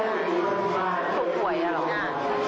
ไม่ได้ปล้าย